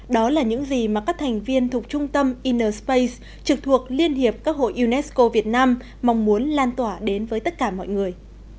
đó là những gì mà các thành viên thuộc trung tâm inner space trực thuộc liên hiệp các hội unesco việt nam mong muốn lan tỏa đến với tất cả mọi người